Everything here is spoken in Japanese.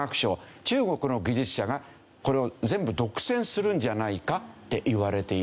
中国の技術者がこれを全部独占するんじゃないかっていわれている。